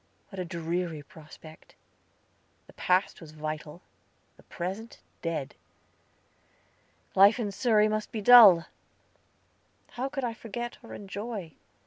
What a dreary prospect! The past was vital, the present dead! Life in Surrey must be dull. How could I forget or enjoy?